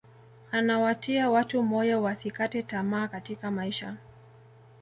anawatia watu moyo wasikate tamaa katika maisha